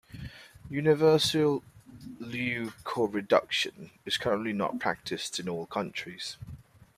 Universal leukoreduction is currently not practiced in all countries.